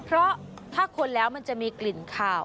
เพราะถ้าคนแล้วมันจะมีกลิ่นขาว